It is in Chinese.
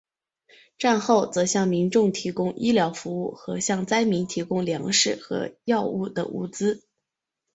战后则向民众提供医疗服务和向灾民提供粮食和药物等物资。